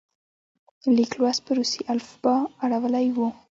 لیک لوست په روسي الفبا اړولی وو.